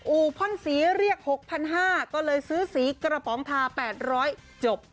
อู่พ่นสีเรียก๖๕๐๐ก็เลยซื้อสีกระป๋องทา๘๐๐จบ